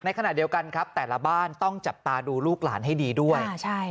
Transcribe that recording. ขณะเดียวกันครับแต่ละบ้านต้องจับตาดูลูกหลานให้ดีด้วย